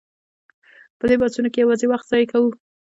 په دې بحثونو کې یوازې وخت ضایع کوو.